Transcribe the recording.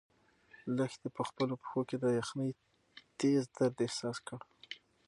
لښتې په خپلو پښو کې د یخنۍ تېز درد احساس کړ.